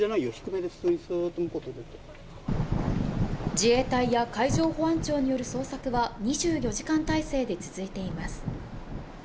自衛隊や海上保安庁による捜索は２４時間態勢で続いています。